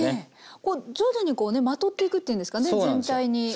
こう徐々にこうねまとっていくというんですかね全体に。